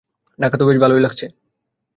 ঢাকা তো বেশ ভালই লাগছে।